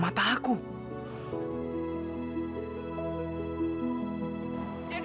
aduh aku sudah hamil